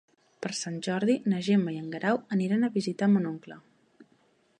Per Sant Jordi na Gemma i en Guerau aniran a visitar mon oncle.